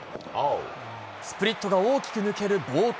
スプリットが大きく抜ける暴投。